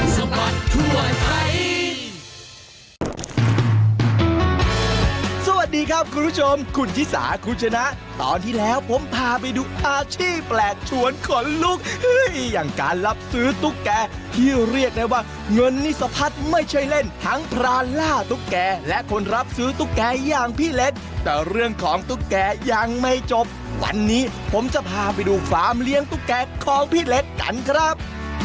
สวัสดีครับคุณผู้ชมคุณชิสาคุณชนะตอนที่แล้วผมพาไปดูอาชีพแปลกชวนขนลุกอย่างการรับซื้อตุ๊กแก่ที่เรียกได้ว่าเงินนี่สะพัดไม่ใช่เล่นทั้งพรานล่าตุ๊กแก่และคนรับซื้อตุ๊กแก่อย่างพี่เล็กแต่เรื่องของตุ๊กแกยังไม่จบวันนี้ผมจะพาไปดูฟาร์มเลี้ยงตุ๊กแก่ของพี่เล็กกันครับ